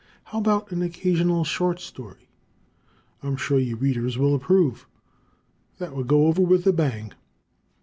How about an occasional short story? I'm sure your readers will approve. They would go over with a bang!